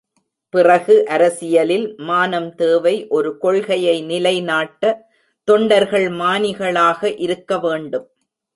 பிறகு அரசியலில் மானம் தேவை ஒரு கொள்கையை நிலைநாட்ட தொண்டர்கள் மானிகளாக இருக்க வேண்டும்.